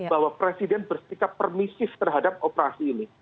bahwa presiden bersikap permisif terhadap operasi ini